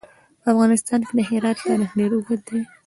په افغانستان کې د هرات تاریخ ډېر اوږد دی.